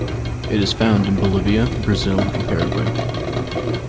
It is found in Bolivia, Brazil, and Paraguay.